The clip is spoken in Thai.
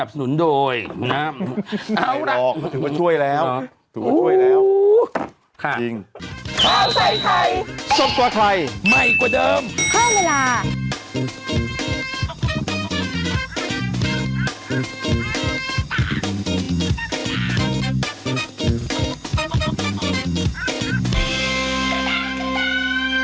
เอาล่ะถูกว่าช่วยแล้วถูกว่าช่วยแล้วจริงนะครับเอาล่ะถูกว่าช่วยแล้วจริง